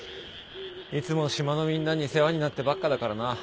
いつも島のみんなに世話になってばっかだからな。